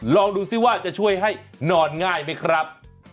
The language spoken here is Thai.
ลองดูซิว่าจะช่วยให้นอนง่ายไหมครับ